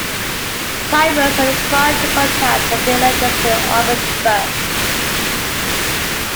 Climbers are required to contact the Belair District Office first.